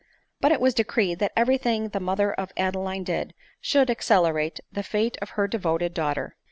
But it was decreed that every tl.bg the mother of Adeline did, should accelerate the fate of her devoted daughter.